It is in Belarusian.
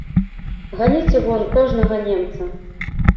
Ганіце вон кожнага немца!